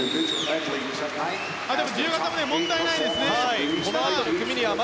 でも自由形、問題ないですね。